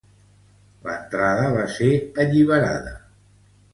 L'entrada va ser alliberada.